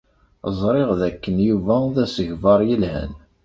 Ẓriɣ dakken Yuba d asegbar yelhan.